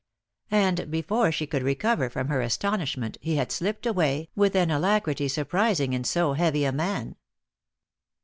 And before she could recover from her astonishment he had slipped away with an alacrity surprising in so heavy a man.